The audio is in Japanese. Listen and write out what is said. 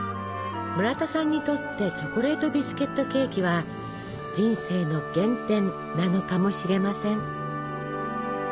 村田さんにとってチョコレートビスケットケーキは人生の原点なのかもしれません。